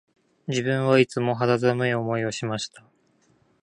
自分はいつも肌寒い思いをしました